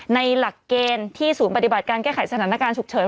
หลักเกณฑ์ที่ศูนย์ปฏิบัติการแก้ไขสถานการณ์ฉุกเฉิน